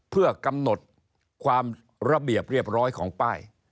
เพื่อกำหนดความระเบียบเรียบร้อยของป้าย